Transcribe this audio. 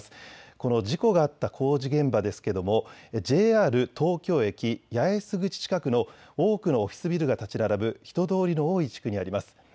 この事故があった工事現場ですけどもＪＲ東京駅八重洲口近くの多くのオフィスビルが建ち並ぶ人通りの多い地区にあります。